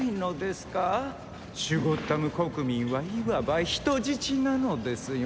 シュゴッダム国民はいわば人質なのですよ？